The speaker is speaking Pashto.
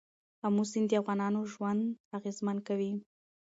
آمو سیند د افغانانو ژوند اغېزمن کوي.